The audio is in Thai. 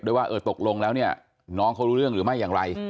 ว่าเออตกลงแล้วเนี่ยน้องเขารู้เรื่องหรือไม่อย่างไร